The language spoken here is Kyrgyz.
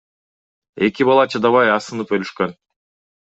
Эки бала чыдабай асынып өлүшкөн.